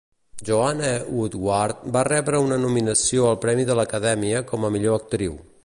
Joanne Woodward va rebre una nominació al Premi de l'Acadèmia com a millor actriu.